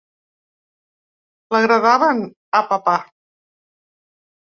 L'agradaven a papà!